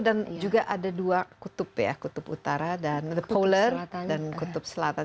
dan juga ada dua kutub ya kutub utara dan kutub selatan